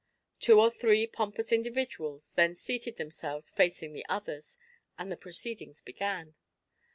Two or three pompous individuals then seated themselves facing the others, and the proceedings began.